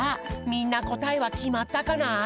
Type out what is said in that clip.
みんなこたえはきまったかな？